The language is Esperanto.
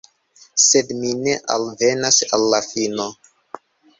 Sed mi alvenas al la fino.